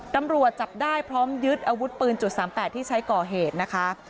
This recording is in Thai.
ตำรวจจับได้พร้อมยึดอาวุธปืน๓๘ที่ใช้ก่อเหตุนะคะ